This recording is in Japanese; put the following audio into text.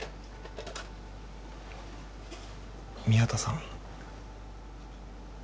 宮田さん。